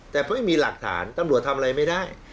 แต่เพราะไม่มีหลักฐานตำรวจทำอะไรไม่ได้